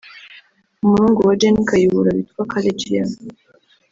umuhungu wa Gen Kayihura witwa Kale Jr